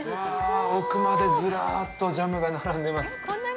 奥までずらっとジャムが並んでいます